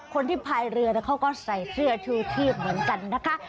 คนที่ผ่ายเรือใส่เสื้อทิวที่เหมือนกันนะคะ